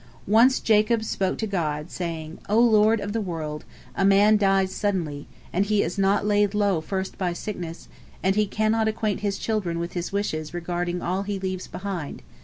Once Jacob spoke to God, saying, "O Lord of the world, a man dies suddenly, and he is not laid low first by sickness, and he cannot acquaint his children with his wishes regarding all he leaves behind.